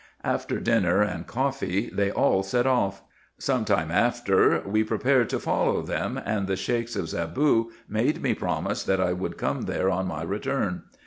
After dinner and coffee, they all set off. Some time after we prepared to follow them, and the Sheiks of Zaboo made me promise that I would come there on my return.